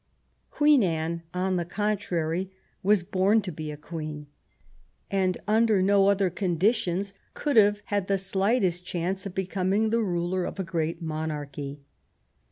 Queen Anne, on the contrary, was bom to be a queen, and under no other conditions could have had the slightest chance of becoming the ruler of a great monarchy.